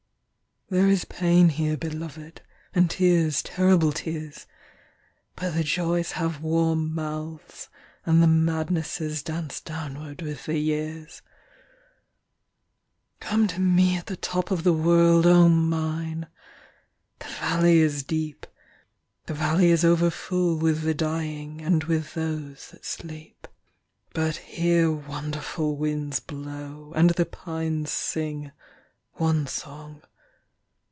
There is pain here, beloved, And tears, terrible tears; But the joys have warm mouths, and the madnessesDance downward with the years. Come to me at the top of the worldO Mine! The valley is deep; The valley is over full with the dying, And with those that sleep; But here wonderful winds blow, And the pines sing—one song.